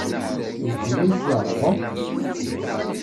D kemm ay t-yerẓan?